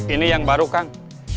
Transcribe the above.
ini yang baru kang